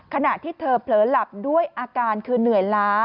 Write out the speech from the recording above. ขณะที่เธอเผลอหลับด้วยอาการคือเหนื่อยล้า